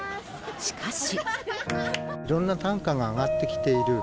しかし。